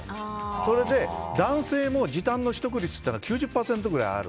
それで、男性も時短の取得率が９０％ぐらいある。